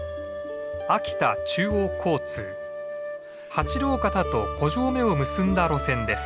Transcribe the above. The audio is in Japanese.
八郎潟と五城目を結んだ路線です。